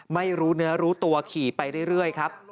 ไม่รู้เนื้อรู้ตัวขี่ไปเรื่อยครับ